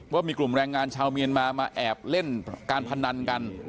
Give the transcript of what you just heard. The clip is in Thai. ว่ามีกลุ่มแรงงานชาวเมียนมามาแอบเล่นการพนันกัน